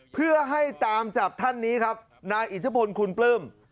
เพื่อให้ตามจับท่านนี้ครับนายอิทธิพลคุณปลื้ม